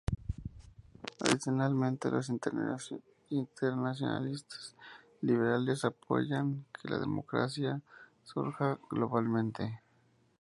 Adicionalmente, los internacionalistas liberales apoyan que la democracia surja globalmente.